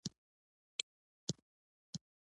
په دې صورت کې به لیویس پیلي خپل شرایط تحمیلولای.